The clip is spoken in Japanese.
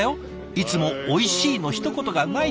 「いつも『おいしい』のひとことがない」と。